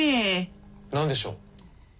何でしょう？